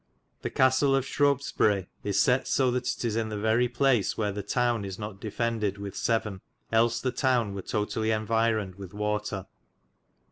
The castle of Shrobbesbyry is set so that it is in the very place where the towne is not defendid with Severne, els the towne were totally environyd with watar.